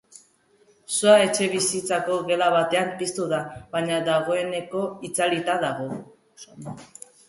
Sua etxebizitzako gela batean piztu da, baina dagoeneko itzalita dago.